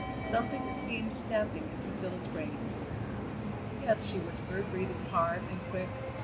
Something seemed snapping in Priscilla's brain. "Yes," she whispered, breathing hard and quick.